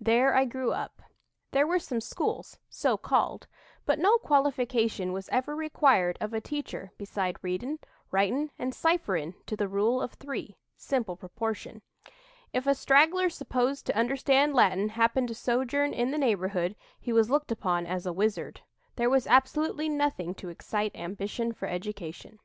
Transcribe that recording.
There I grew up. There were some schools, so called; but no qualification was ever required of a teacher beside readin', writin', and cipherin' to the Rule of Three (simple proportion). If a straggler supposed to understand Latin happened to sojourn in the neighborhood, he was looked upon as a wizard. There was absolutely nothing to excite ambition for education."